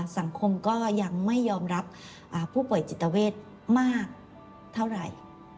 สังคมก็ยังไม่ยอมรับผู้ป่วยจิตเวทมากเท่าไหร่